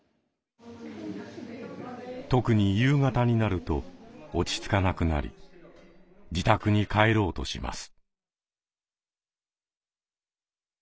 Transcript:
特に夕方になると落ち着かなくなり自宅に帰ろうとします。